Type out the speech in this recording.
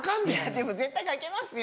でも絶対書けますよ。